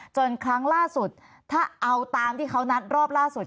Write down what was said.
ครั้งล่าสุดถ้าเอาตามที่เขานัดรอบล่าสุด